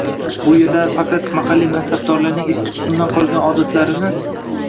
Bu yerda faqat mahalliy mansabdorlarning eski tuzumdan qolgan odatlarini